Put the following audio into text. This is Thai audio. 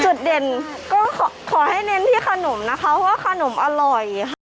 จุดเด่นก็ขอให้เน้นที่ขนมนะคะว่าขนมอร่อยค่ะ